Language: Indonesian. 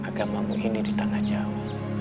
agamamu ini di tengah jauh